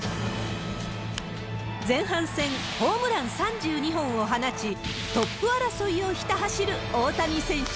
前半戦、ホームラン３２本を放ち、トップ争いをひた走る大谷選手。